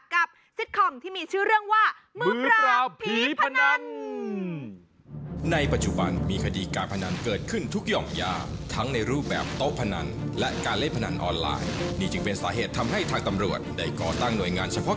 กับจิตคล่องที่มีชื่อเรื่องว่า